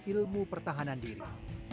ilmu pertahanan diri